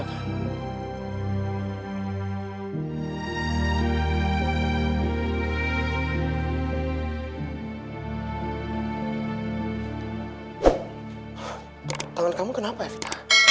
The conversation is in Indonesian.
tangan kamu kenapa evita